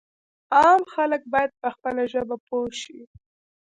عام خلک باید په خپله ژبه پوه شي.